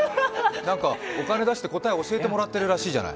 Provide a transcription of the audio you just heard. お金出して答え教えてもらってるらしいじゃない？